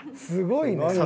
すごいね。